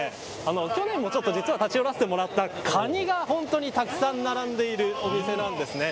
去年も実は立ち寄らせてもらったカニが本当にたくさん並んでいるお店なんですね。